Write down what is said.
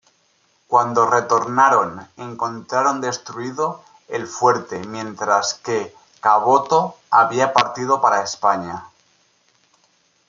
Cuando retornaron encontraron destruido el fuerte, mientras que Caboto había partido para España.